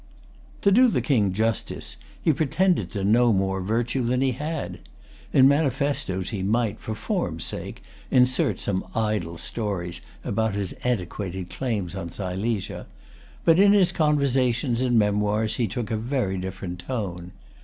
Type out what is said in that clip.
To do the King justice, he pretended to no more virtue than he had. In manifestoes he might, for form's sake, insert some idle stories about his antiquated claim on Silesia; but in his conversations and Memoirs he took a[Pg 261] very different tone.